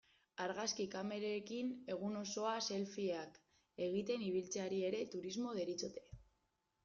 Argazki kamerekin egun osoa selfieak egiten ibiltzeari ere turismo deritzote.